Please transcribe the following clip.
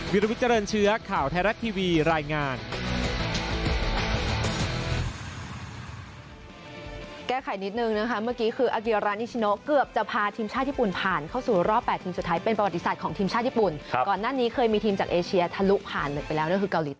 วิทยาลัยวิทยาลัยเชื้อข่าวไทยรัฐทีวีรายงาน